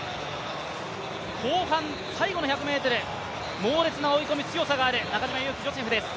後半、最後の１００ｍ猛烈な追い込み、強さがある中島佑気ジョセフです。